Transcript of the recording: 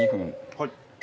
はい。